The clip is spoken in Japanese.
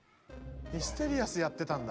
ミステリアスやってたんだ。